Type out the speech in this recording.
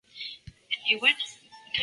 Dos miradas, una visión.